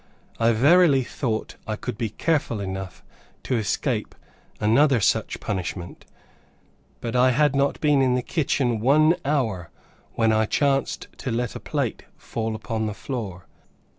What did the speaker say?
I verily thought I could be careful enough to escape another such punishment. But I had not been in the kitchen one hour, when I chanced to let a plate fall upon the floor.